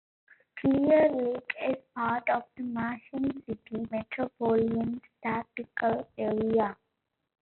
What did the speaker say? Clear Lake is part of the Mason City Micropolitan Statistical Area.